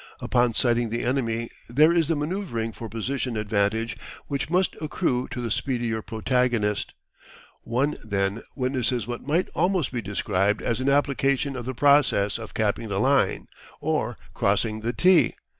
Upon sighting the enemy there is the manoeuvring for position advantage which must accrue to the speedier protagonist. One then, witnesses what might almost be described as an application of the process of capping the line or "crossing the 'T.'"